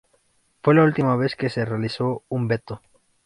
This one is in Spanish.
Fue la última vez que se realizó un veto.